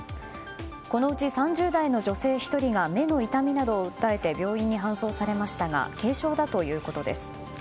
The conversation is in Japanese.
このうち３０代の女性１人が目の痛みなどを訴えて病院に搬送されましたが軽症だということです。